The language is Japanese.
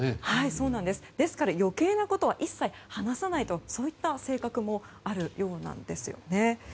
ですから余計なことは一切話さないとそういった性格もあるようなんです。